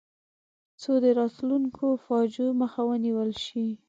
څو د راتلونکو فاجعو مخه ونیول شي.